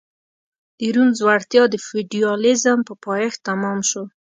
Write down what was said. د روم ځوړتیا د فیوډالېزم په پایښت تمام شو